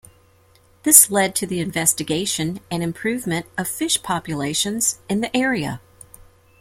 This led to the investigation and improvement of fish populations in the area.